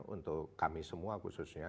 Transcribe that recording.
untuk kami semua khususnya